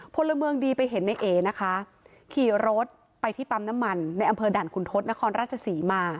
พลเมืองดีไปเห็นในเอนะคะขี่รถไปที่ปั๊มน้ำมันในอำเภอด่านคุณทศนครราชศรีมา